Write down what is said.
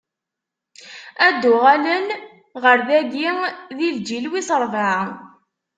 Ad d-uɣalen ɣer dagi di lǧil wis ṛebɛa.